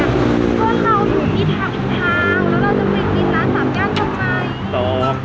เพราะว่าเราจะมาปีนทาง